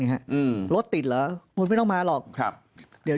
เพราะอาชญากรเขาต้องปล่อยเงิน